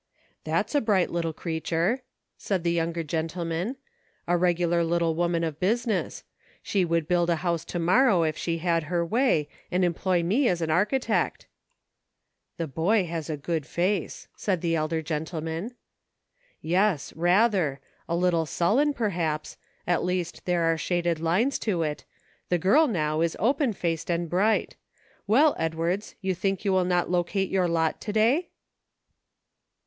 "That's a bright little creature," said the younger gentleman ;" a regular little woman of business ; she would build a house to morrow if she had her way, and employ me as architect." "The boy has a good face," said the elder gen tleman. " Yes, rather ; a trifle sullen, perhaps ; at least there are shaded lines to it ; the little girl, now, is open faced and bright. Well, Edwards, you think you will not locate your lot to day